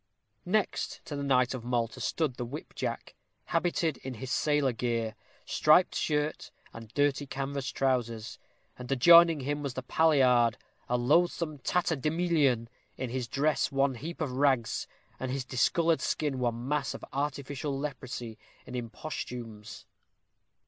Next to the knight of Malta stood the whip jack, habited in his sailor gear striped shirt and dirty canvas trousers; and adjoining him was the palliard, a loathsome tatterdemalion, his dress one heap of rags, and his discolored skin one mass of artificial leprosy and imposthumes.